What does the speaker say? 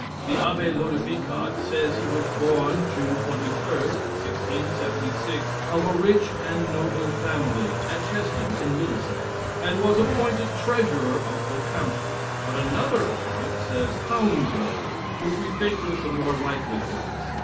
The Abbe Lodivicat says he was born June 21st, 1676, of a rich and noble family, at Heston, in Middlesex, and was appointed treasurer of the county; but another account says "Hounslow," which we think was the more likely place.